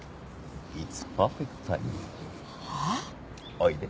おいで。